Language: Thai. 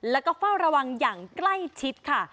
แล้วก็เฝ้าระวังอย่างใกล้ชิดค่ะ